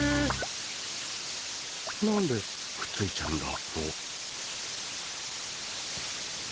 何でくっついちゃうんだろ。